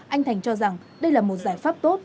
anh thành cho rằng đây là một giải pháp tốt